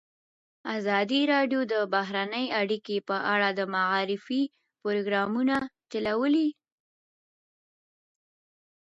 ازادي راډیو د بهرنۍ اړیکې په اړه د معارفې پروګرامونه چلولي.